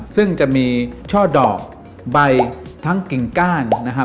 ซึ่งจะมีช่ไอดอกใบทั้งกลิ่งก้าน